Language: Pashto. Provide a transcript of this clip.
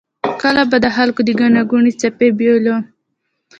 کله به د خلکو د ګڼې ګوڼې څپې بیولم.